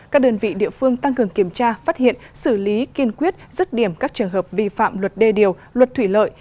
các đơn vị địa phương tăng cường kiểm tra phát hiện xử lý kiên quyết rứt điểm các trường hợp vi phạm luật đê điều luật thủy lợi